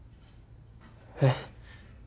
えっ？